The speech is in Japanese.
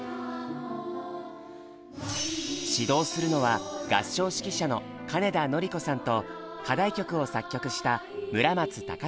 指導するのは合唱指揮者の金田典子さんと課題曲を作曲した村松崇継さん。